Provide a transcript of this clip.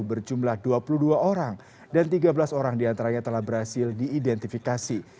berjumlah dua puluh dua orang dan tiga belas orang diantaranya telah berhasil diidentifikasi